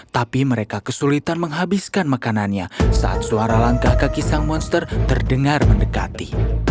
tapi mereka kesulitan menghabiskan makanannya saat suara langkah kaki sang monster terdengar mendekati